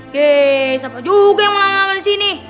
yee siapa juga yang mau lama lama disini